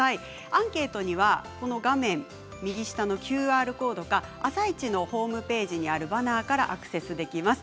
アンケートには画面の右下のＱＲコードか「あさイチ」のホームページにあるバナーからアクセスできます。